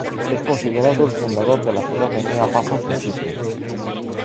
Es considerado el fundador de la ciudad de Nea Pafos en Chipre.